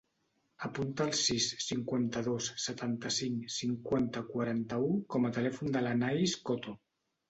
Apunta el sis, cinquanta-dos, setanta-cinc, cinquanta, quaranta-u com a telèfon de l'Anaïs Coto.